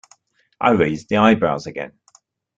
I raised the eyebrows again.